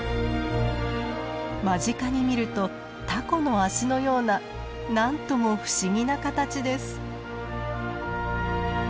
間近に見るとタコの足のような何とも不思議な形です。